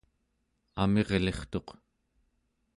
amirlirtuq